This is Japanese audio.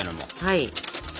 はい。